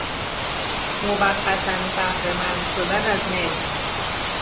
موقتا بهرهمند شدن از ملک